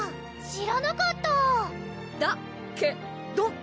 知らなかっただ・け・ど！